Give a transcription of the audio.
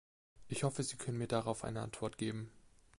Ich hoffe, Sie können mir darauf eine Antwort geben.